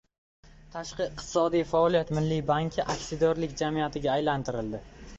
Tashqi iqtisodiy faoliyat milliy banki Aksiyadorlik jamiyatiga aylantirildi